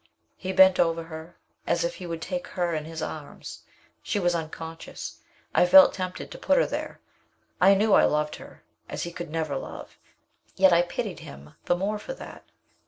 He bent over her, as if he would take her in his arms. She was unconscious. I felt tempted to put her there. I knew I loved her as he could never love yet I pitied him the more for that.